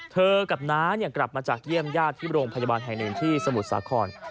เธอกับน้ากลับมาจากเยี่ยมญาติที่โรงพยาบาลแห่งหนึ่งที่สมุทรสาคร